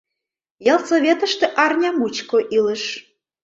Ялсоветыште арня мучко илыш.